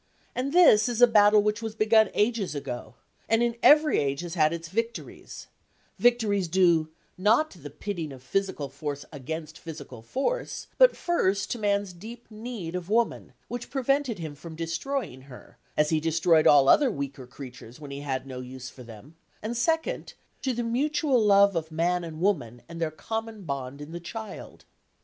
And this is a battle which was begun ages ago, and in every age has had its victories,—victories due, not to the pitting of physical force against physical force, but, first, to man's deep need of woman, which prevented him from destroying her, as he destroyed all other weaker creatures when he had no use for them, and, second, to the mutual love of man and woman and their common bond in the child.